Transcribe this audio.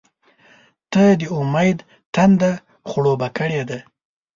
• ته د امید تنده خړوبه کړې ده.